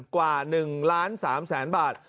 กว่า๑๓๐๐๐๐๐บาท